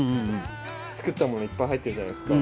作ったものいっぱい入ってるじゃないですか。